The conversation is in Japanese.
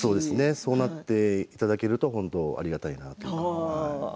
そうなっていただけると本当にありがたいなというか。